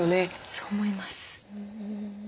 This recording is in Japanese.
そう思います。